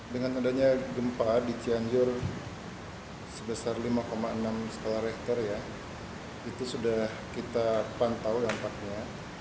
dengan adanya gempa di cianjur sebesar lima enam skala rechter ya itu sudah kita pantau dampaknya